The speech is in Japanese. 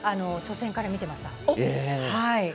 初戦から見ていました。